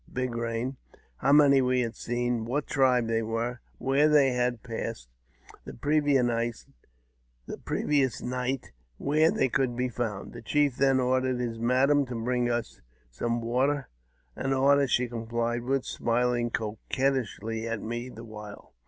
Big Eain, how many we had seen, what tribe they were, where they had passed the previous night, and where they could then be found. The chief then ordered his madam to bring us some water, an order she complied with, smiling coquettishly at me the while.